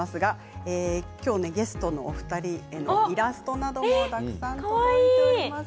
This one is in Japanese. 今日のゲストのお二人へのイラストもたくさん届いています。